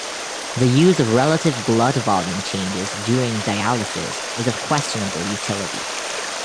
The use of relative blood volume changes during dialysis is of questionable utility.